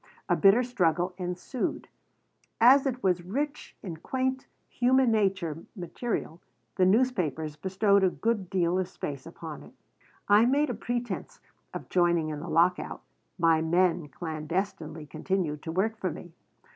A bitter struggle ensued. As it was rich in quaint "human nature" material, the newspapers bestowed a good deal of space upon it I made a pretense of joining in the lockout, my men clandestinely continuing to work for me.